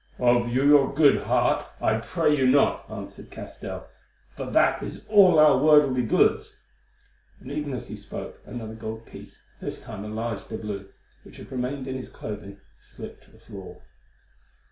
"Of your good heart I pray you not," answered Castell, "for that is all our worldly goods," and even as he spoke another gold piece, this time a large doubloon, which had remained in his clothing, slipped to the floor.